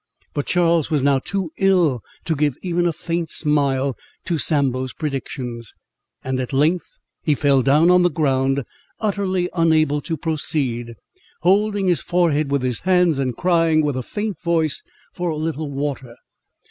But Charles was now too ill to give even a faint smile to Sambo's predictions; and at length he fell down on the ground, utterly unable to proceed, holding his forehead with his hands, and crying, with a faint voice, for a little water.